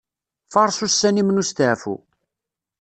Faṛes ussan-im n usteɛfu.